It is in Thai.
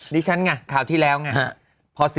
ฉันไงคราวที่แล้วไง